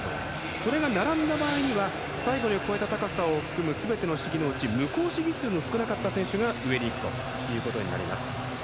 それが並んだ場合には最後に越えた高さを含む全ての試技のうち無効試技数が少なかった選手が上に行くということになります。